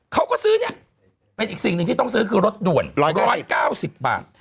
เขาก็ซื้อเนี้ยเป็นอีกสิ่งหนึ่งที่ต้องซื้อคือรถด่วนร้อยเก้าสิบร้อยเก้าสิบบาท